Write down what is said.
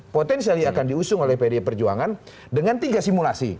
potensial akan diusung oleh pdi perjuangan dengan tiga simulasi